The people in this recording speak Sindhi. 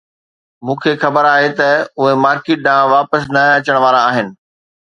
مون کي خبر آهي ته اهي مارڪيٽ ڏانهن واپس نه اچڻ وارا آهن